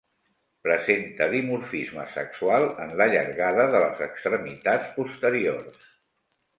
Presenta dimorfisme sexual en la llargada de les extremitats posteriors.